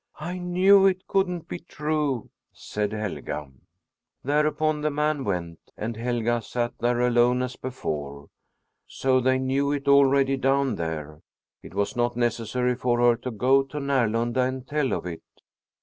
"I knew it couldn't be true," said Helga. Thereupon the man went, and Helga sat there alone, as before. So they knew it already down there! It was not necessary for her to go to Närlunda and tell of it.